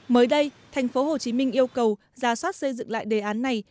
mới đây thành phố hồ chí minh yêu cầu giả soát xây dựng lại đề án này